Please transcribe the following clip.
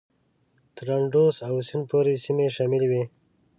تر اندوس او سیند پورې سیمې شاملي وې.